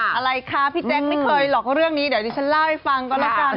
อะไรคะพี่แจ๊คไม่เคยหรอกเรื่องนี้เดี๋ยวดิฉันเล่าให้ฟังก็แล้วกัน